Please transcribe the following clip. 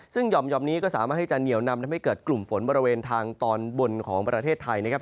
ซึ่งห่อมนี้ก็สามารถให้จะเหนียวนำทำให้เกิดกลุ่มฝนบริเวณทางตอนบนของประเทศไทยนะครับ